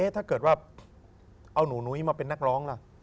ถ้าเกิดว่าเอาหนูนุ้ยมาเป็นนักร้องล่ะ